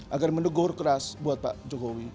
agar mendegur keras buat pak jokowi